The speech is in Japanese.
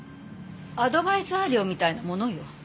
アドバイザー料みたいなものよ。